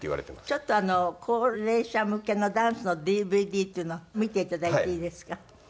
ちょっとあの高齢者向けのダンスのＤＶＤっていうの見ていただいていいですか？